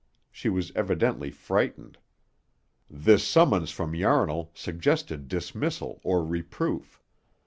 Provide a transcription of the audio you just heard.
She was evidently frightened. This summons from Yarnall suggested dismissal or reproof.